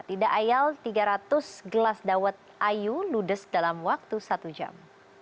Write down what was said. tidak ayal tiga ratus gelas dawet ayu ludes dalam waktu satu jam